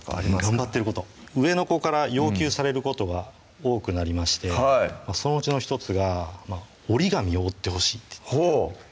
頑張ってること上の子から要求されることが多くなりましてはいそのうちの１つが折り紙を折ってほしいってほう